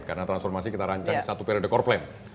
karena transformasi kita rancang satu periode core plan